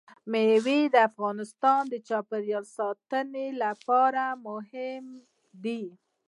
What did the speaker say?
مېوې د افغانستان د چاپیریال ساتنې لپاره مهم دي.